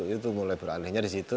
itu mulai beralihnya di situ